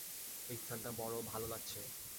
এ স্থানটি বড় ভাল লাগছে।